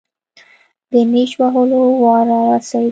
د نېش وهلو وار راورسېد.